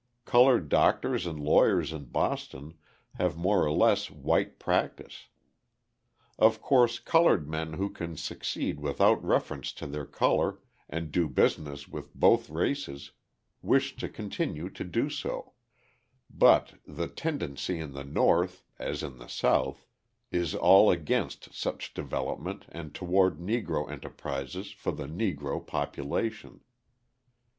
Coloured doctors and lawyers in Boston have more or less white practice. Of course, coloured men who can succeed without reference to their colour and do business with both races, wish to continue to do so but the tendency in the North, as in the South, is all against such development and toward Negro enterprises for the Negro population.